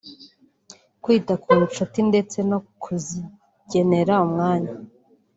kwita ku nshuti ndetse no kuzigenera umwanya